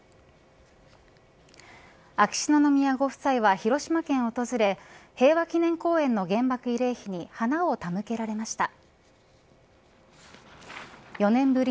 秋篠宮ご夫妻は広島県を訪れ平和記念公園の原爆慰霊碑に花を手向けられました。